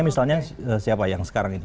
misalnya siapa yang sekarang ini